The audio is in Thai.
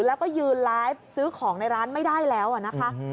แล้วก็ยืนไลฟ์ซื้อของในร้านไม่ได้แล้วนะคะ